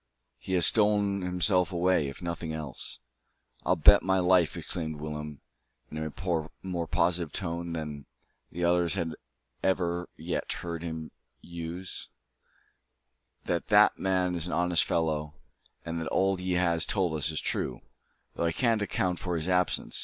He has stolen himself away, if nothing else." "I'll bet my life," exclaimed Willem, in a more positive tone than the others had ever yet heard him use, "that that man is an honest fellow, and that all he has told us is true, though I can't account for his absence.